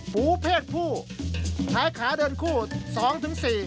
หูเพศผู้ใช้ขาเดินคู่สองถึงสี่